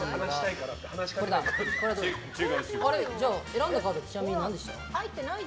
選んだカードちなみに何でした？